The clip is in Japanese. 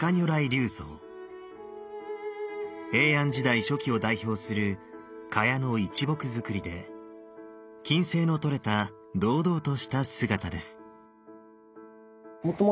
平安時代初期を代表する榧の一木造りで均斉の取れた堂々とした姿です。